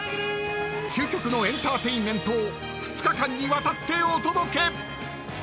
［究極のエンターテインメントを２日間にわたってお届け！］